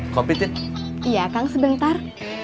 kopitin iya kang sebentar